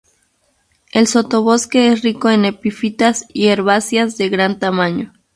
El sotobosque es rico en epifitas y herbáceas de gran tamaño.